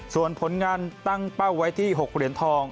ส่วนผลงานตั้งเป้าไว้ที่๖เหรียญทอง